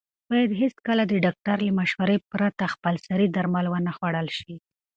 باید هېڅکله د ډاکټر له مشورې پرته خپلسري درمل ونه خوړل شي.